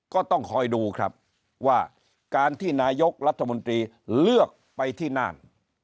ก็ต้องคอยดูครับว่าการที่นายกรัฐมนตรีเลือกไปที่น่าน